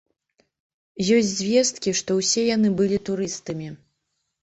Ёсць звесткі, што ўсе яны былі турыстамі.